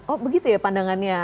oh begitu ya pandangannya